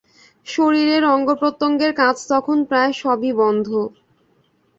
শরীরের অঙ্গ-প্রত্যঙ্গের কাজ তখন প্রায় সবই বন্ধ।